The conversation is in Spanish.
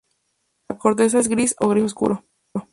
La corteza es gris o gris oscuro.